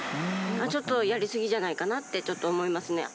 ちょっとやり過ぎじゃないかなって、ちょっと思いますね。